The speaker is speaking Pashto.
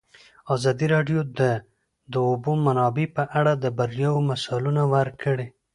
ازادي راډیو د د اوبو منابع په اړه د بریاوو مثالونه ورکړي.